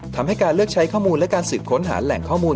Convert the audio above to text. ทำให้การเลือกใช้ข้อมูลและการสืบค้นหาแหล่งข้อมูล